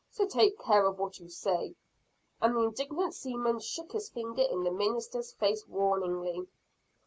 So take care of what you say!" and the indignant seaman shook his finger in the minister's face warningly.